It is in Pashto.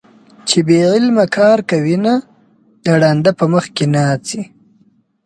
چې بې علمه کار کوينه - د ړانده په مخ کې ناڅي